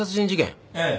ええ。